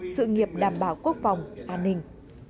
sự nghiệp đảm bảo quốc phòng an ninh